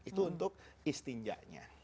itu untuk istinjaknya